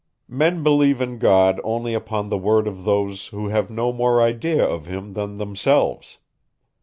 Men believe in God only upon the word of those, who have no more idea of him than themselves.